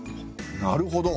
なるほど。